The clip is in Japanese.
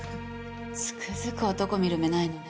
つくづく男見る目ないのね。